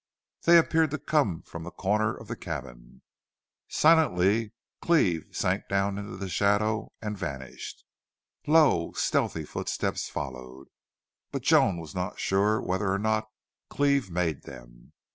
They appeared to come from the corner of the cabin. Silently Cleve sank down into the shadow and vanished. Low, stealthy footsteps followed, but Joan was not sure whether or not Cleve made them.